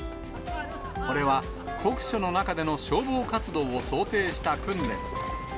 これは酷暑の中での消防活動を想定した訓練。